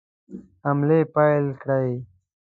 حملې پیل کړې.